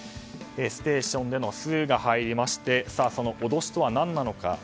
ステーションでの「ス」が入りましてその脅しとは何なのか。